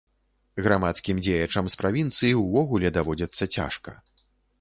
Грамадскім дзеячам з правінцыі ўвогуле даводзіцца цяжка.